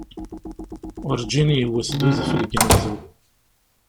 Urǧin yewwet-d udfel deg unebdu.